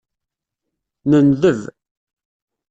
Nenḍeb.